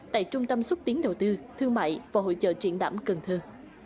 tại trung tâm xúc tiến đầu tư thương mại và hội trợ triển lãm cần thơ